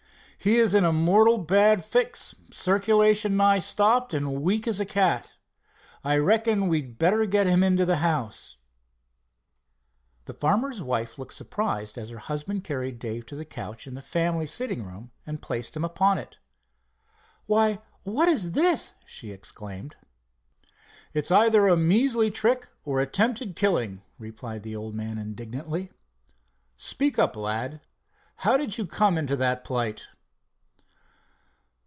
"He's in a mortal bad fix, circulation nigh stopped and weak as a cat. I reckon we'd better get him into the house." The farmer's wife looked surprised as her husband carried Dave to a couch in the family sitting room and placed him upon it. "Why, what's this?" she exclaimed. "It's either a measly trick or attempted killing," replied the old man indignantly. "Speak up, lad, how did you come in that plight?"